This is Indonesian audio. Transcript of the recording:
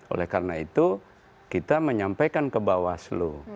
oleh karena itu kita menyampaikan ke bawah aslu